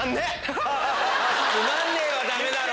「つまんね！」はダメだろ！